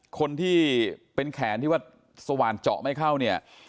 คนที่เป็นแขนที่ว่าสว่านเจาะไม่เข้าเนี่ย